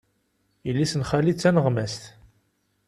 Yelli-s n xali d taneɣmast.